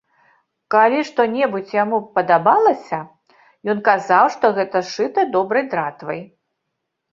Калі што-небудзь яму падабалася, ён казаў, што гэта сшыта добрай дратвай.